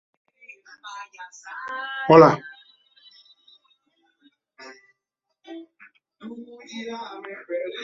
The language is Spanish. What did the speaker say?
Aunque siempre se queja, acompaña a Marty dondequiera que vaya.